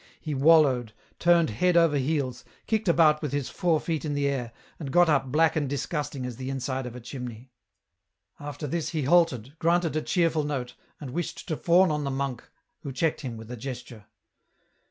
He wallowed, turned head over heels, kicked about with his four feet in the air, and got up black and disgusting as the inside of a chimney. After this he halted, grunted a cheerful note, and wished to fawn on the monk, who checked him with a gesture.